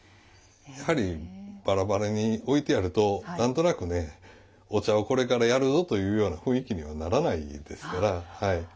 やはりバラバラに置いてあると何となくねお茶をこれからやるぞというような雰囲気にならないですから。